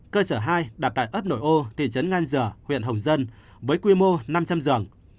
cơ sở hai đặt tại ớt nội âu thị trấn ngan giở huyện hồng dân với quy mô năm trăm linh giường